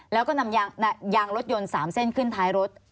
แล้วก็นำยางรถยนต์๓เส้นขึ้นท้ายรถ